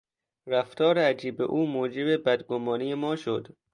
رفتار عجیب او موجب بدگمانی ما شد.